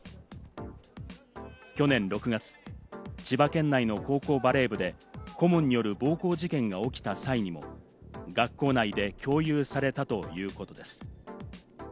去年６月、千葉県内の高校バレー部で顧問による暴行事件が起きた際にも、学校内で共有されたということです。